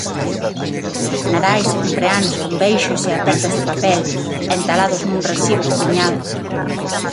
Nadais e cumpreanos con beixos e apertas de papel, entalados nun recibo cruñado.